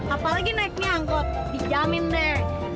apalagi naiknya kok dijamin mbak